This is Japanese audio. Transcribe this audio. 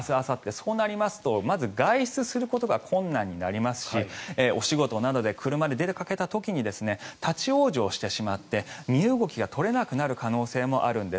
そうなりますとまず、外出することが困難になりますしお仕事などで車で出かけた時に立ち往生してしまって身動きが取れなくなる可能性もあるんです。